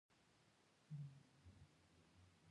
موسیقي د احساساتو ژبه ده.